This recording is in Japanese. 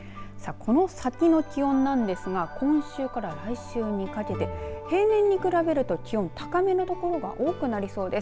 この先の気温なんですが今週から来週にかけて平年に比べると気温が高めの所が多くなりそうです。